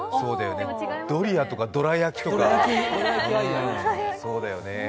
ドリアとかどら焼きとか、そうだよね。